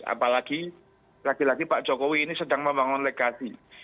apalagi lagi lagi pak jokowi ini sedang membangun legasi